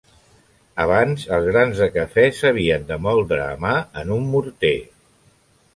Abans els grans de cafè s'havien de moldre a mà en un morter.